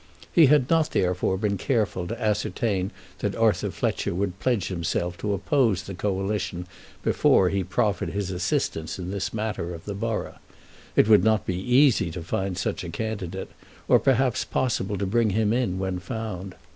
He had not therefore been careful to ascertain that Arthur Fletcher would pledge himself to oppose the Coalition before he proffered his assistance in this matter of the borough. It would not be easy to find such a candidate, or perhaps possible to bring him in when found.